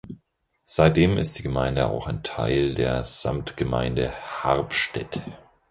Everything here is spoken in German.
Seitdem ist die Gemeinde auch ein Teil der Samtgemeinde Harpstedt.